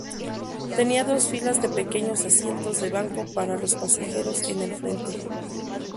Tenía dos filas de pequeños asientos de banco para los pasajeros en el frente.